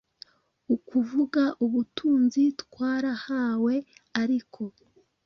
ukuvuga ubutunzi twarahawe ariko